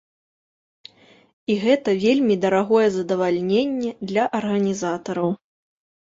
І гэта вельмі дарагое задавальненне для арганізатараў.